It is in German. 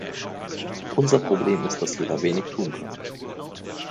Unser Problem ist, dass wir da wenig tun können.